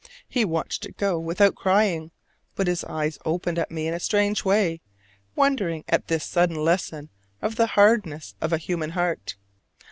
He watched it go without crying; but his eyes opened at me in a strange way, wondering at this sudden lesson of the hardness of a human heart.